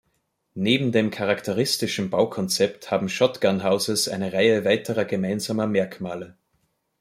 Neben dem charakteristischen Baukonzept haben Shotgun Houses eine Reihe weiterer gemeinsamer Merkmale.